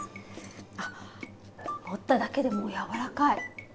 あっ持っただけでもう柔らかい！